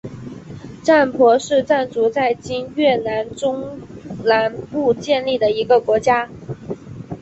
占婆是占族在今越南中南部建立的一个国家。